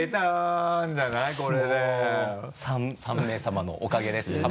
３名さまのおかげです